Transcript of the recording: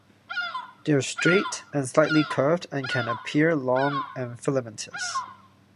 They are straight or slightly curved and can appear long and filamentous.